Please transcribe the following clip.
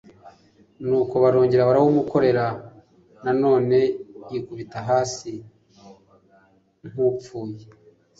Nuko barongera barawumukorera na none yikubita hasi nk'upfuye.